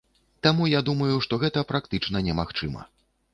Таму я думаю, што гэта практычна немагчыма.